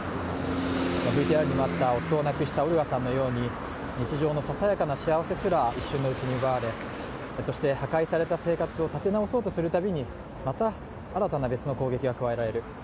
ＶＴＲにもあった夫を亡くしたオルガさんのように日常のささやかな幸せすら一瞬のうちに奪われそして破壊された生活を立て直そうとするたびにまた新たな別の攻撃が加えられる。